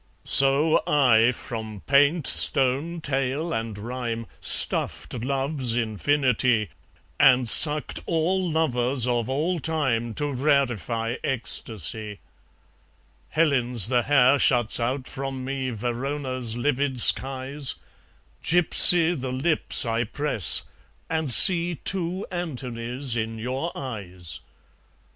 So I, from paint, stone, tale, and rhyme, Stuffed love's infinity, And sucked all lovers of all time To rarify ecstasy. Helen's the hair shuts out from me Verona's livid skies; Gypsy the lips I press; and see Two Antonys in your eyes.